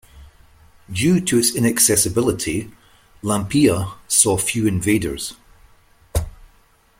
Due to its inaccessibility, Lampeia saw few invaders.